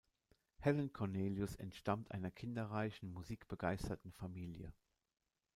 Helen Cornelius entstammt einer kinderreichen, musikbegeisterten Familie.